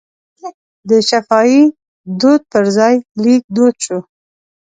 د شفاهي دود پر ځای لیک دود شو.